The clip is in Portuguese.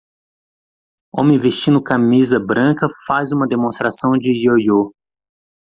Homem vestindo camisa branca faz uma demonstração de yoyo.